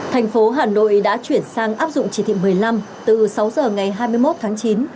thành phố hà nội đã chuyển sang áp dụng chỉ thị một mươi năm từ sáu giờ ngày hai mươi một tháng chín